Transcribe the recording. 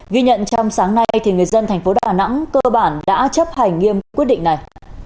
ghi nhận trong sáng nay thì người dân tp đà nẵng cơ bản đã chấp hành nghiêm quyết định này